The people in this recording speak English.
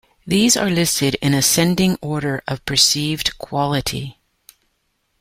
These are listed in ascending order of perceived "quality".